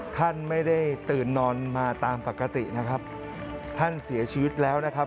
ท่านไม่ได้ตื่นนอนมาตามปกตินะครับท่านเสียชีวิตแล้วนะครับ